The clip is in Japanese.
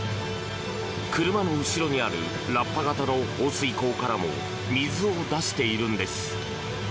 車の後ろにあるラッパ型の放水口からも水を出しているんです。